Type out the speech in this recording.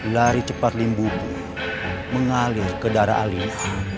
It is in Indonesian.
lari cepat limbubu mengalir ke darah alias